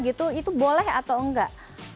gitu itu boleh atau nggak